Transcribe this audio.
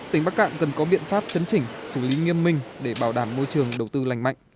tỉnh bắc cạn cần có biện pháp chấn chỉnh xử lý nghiêm minh để bảo đảm môi trường đầu tư lành mạnh